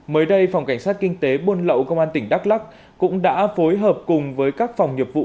mới đây phòng cảnh sát kinh tế buôn lậu công an tỉnh đắk lắc cũng đã phối hợp cùng với các phòng nghiệp vụ